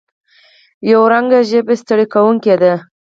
یو رنګي ژبه ستړې کوونکې ده.